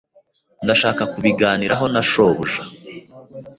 Ndashaka kubiganiraho na shobuja.